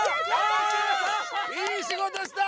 ３！いい仕事した！